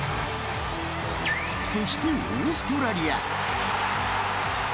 そして、オーストラリア。